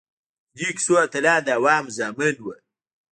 د دې کیسو اتلان د عوامو زامن وو.